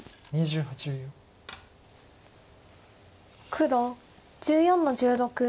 黒１４の十六オシ。